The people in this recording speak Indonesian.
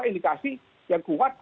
indikasi yang kuat